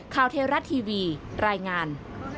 ข่าวเทราะห์ทีวีรายงาน